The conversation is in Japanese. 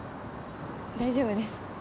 大丈夫です。